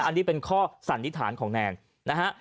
อันนี้เป็นข้อสันนิษฐานของแนนนะฮะ